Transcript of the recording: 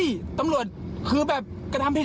ตำรวจคือแบบกระทำผิด